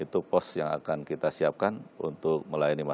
itu pos yang akan kita siapkan untuk perjalanan ke sini ya